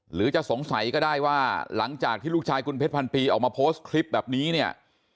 หรือจะสงสัยก็ได้ว่าหลังจากที่ลูกชายคุณเพชรพันปีออกมาโพสต์คลิปแบบนี้เนี่ย